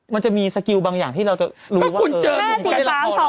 มันจะมีสกิลบางอย่างที่เราจะรู้ว่า